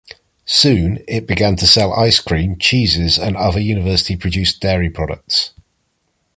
Soon, it began to sell ice cream, cheeses, and other University-produced dairy products.